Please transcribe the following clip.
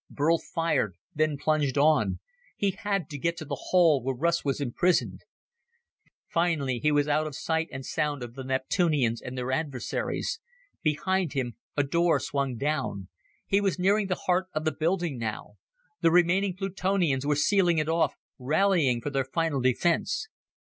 Burl fired, then plunged on. He had to get to the hall where Russ was imprisoned. Finally he was out of sight and sound of the Neptunians and their adversaries. Behind him a door swung down. He was nearing the heart of the building now. The remaining Plutonians were sealing it off, rallying for their final defense.